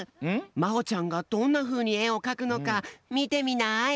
まほちゃんがどんなふうにえをかくのかみてみない？